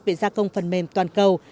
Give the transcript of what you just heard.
về gia công phần mềm toàn cầu